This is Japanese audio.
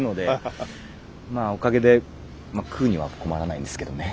まあおかげで食うには困らないんですけどね。